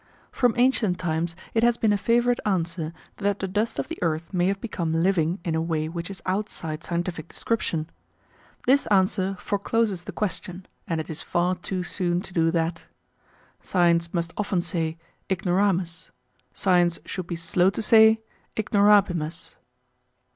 ] From ancient times it has been a favourite answer that the dust of the earth may have become living in a way which is outside scientific description. This answer forecloses the question, and it is far too soon to do that. Science must often say "Ignoramus": Science should be slow to say "Ignorabimus."